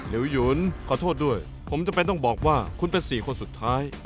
ลิ้วยุ้นขอโทษด้วยผมจะไปต้องบอกว่าคุณเป็นสี่คนสุดท้าย